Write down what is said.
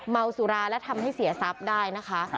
เมาสุราและทำให้เสียทรัพย์ได้นะคะ